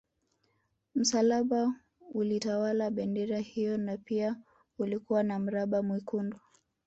Msalaba ulitawala bendera hiyo na pia ulikuwa na mraba mwekundu